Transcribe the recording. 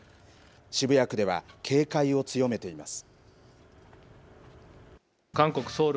渋谷区では警戒を強めています。